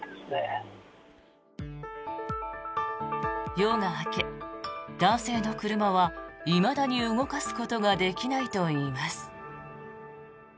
夜が明け、男性の車はいまだに動かすことができないといいます。